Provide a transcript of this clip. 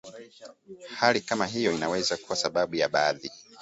Hali kama hiyo inaweza kuwa sababu ya baadhi